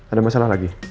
ada masalah lagi